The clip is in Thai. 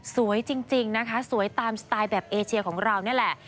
สวยจริงนะคะสวยตามสไตล์แบบเอเชียของเรานี่แหละ